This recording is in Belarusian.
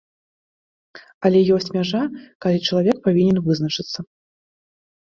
Але ёсць мяжа, калі чалавек павінен вызначыцца.